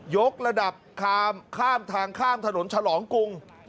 กระดับข้ามทางข้ามถนนฉลองกรุง